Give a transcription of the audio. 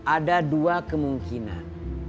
ada dua kemungkinan